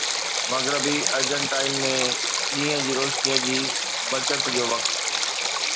مغربي ارجنٽائن ۾ ڏينهن جي روشني جي بچت جو وقت